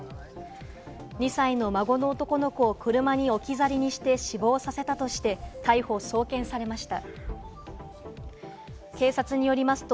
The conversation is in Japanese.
２歳の孫の男の子を車に置き去りにして死亡させたとして逮捕・送検されました。